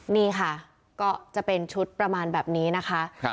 นี่ค่ะก็จะเป็นชุดประมาณแบบนี้นะคะ